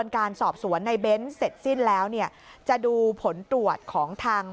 การสอบสวนในเบ้นเสร็จสิ้นแล้วเนี่ยจะดูผลตรวจของทาง